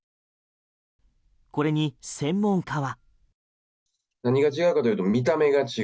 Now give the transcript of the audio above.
これに専門家は。